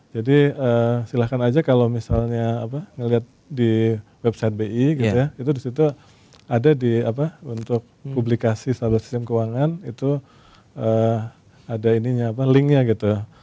jadi silahkan aja kalau misalnya ngelihat di website bi gitu ya itu di situ ada di apa untuk publikasi stabilitas sistem keuangan itu ada ininya apa link nya gitu